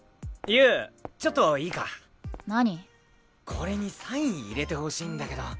これにサイン入れてほしいんだけど。